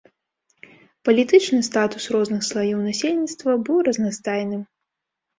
Палітычны статус розных слаёў насельніцтва быў разнастайным.